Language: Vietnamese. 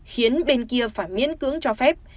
khiến bên kia phải miễn cưỡng cho phép